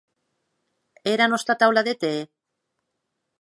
E era nòsta taula de tè?